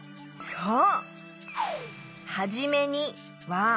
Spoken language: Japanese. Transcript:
そう！